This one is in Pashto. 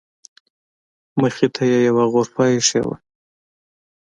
مخې ته یې یوه غرفه ایښې وه.